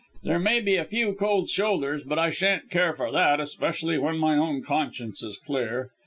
There may be a few cold shoulders, but I shan't care for that, especially when my own conscience is clear.